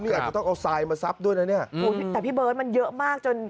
นี่อาจจะต้องเอาทรายมาซับด้วยนะเนี่ยแต่พี่เบิร์ตมันเยอะมากจน